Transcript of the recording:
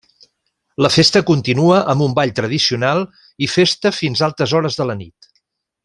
La festa continua amb un ball tradicional i festa fins altes hores de la nit.